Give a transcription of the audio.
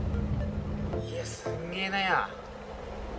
いや、すんげえなや。